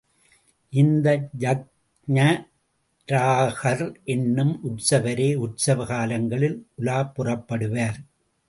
இந்த யக்ஞவராகர் எனும் உற்சவரே உற்சவ காலங்களில் உலாப் புறப்படுவார்.